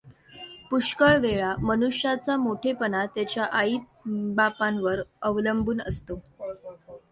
पुष्कळ वेळा मनुष्याचा मोठेपणा त्याच्या आईबापांवर अवलंबून असतो.